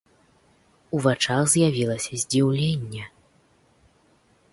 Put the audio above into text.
У вачах з'явілася здзіўленне.